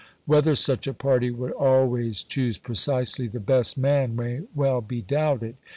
Whether such a party would always choose precisely the best man may well be doubted.